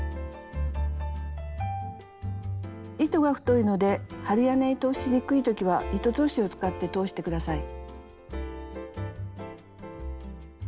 糸が太いので針穴に通しにくい時は糸通しを使って通して下さい。